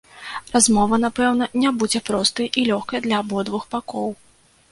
Размова напэўна не будзе простай і лёгкай для абодвух бакоў.